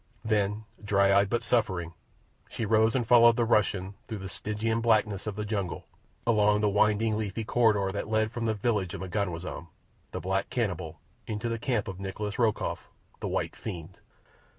Then, dry eyed but suffering, she rose and followed the Russian through the Stygian blackness of the jungle, along the winding, leafy corridor that led from the village of M'ganwazam, the black cannibal, to the camp of Nikolas Rokoff, the white fiend.